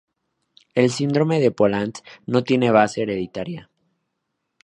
El síndrome de Poland, no tiene base hereditaria.